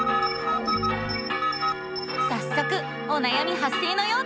さっそくおなやみ発生のようだ。